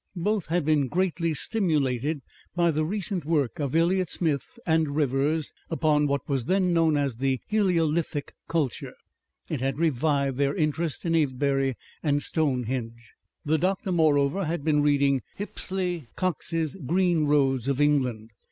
Both had been greatly stimulated by the recent work of Elliot Smith and Rivers upon what was then known as the Heliolithic culture. It had revived their interest in Avebury and Stonehenge. The doctor moreover had been reading Hippisley Cox's GREEN ROADS OF ENGLAND.